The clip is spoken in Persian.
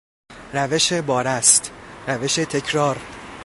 روش بارست، روش تکرار